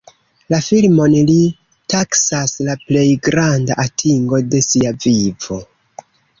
La filmon li taksas la plej granda atingo de sia vivo.